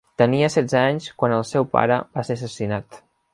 Tenia setze anys quan el seu pare va ser assassinat.